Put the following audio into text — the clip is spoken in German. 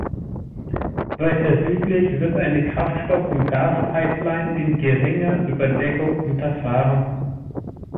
Weiter südlich wird eine Kraftstoff- und Gaspipeline in geringer Überdeckung unterfahren.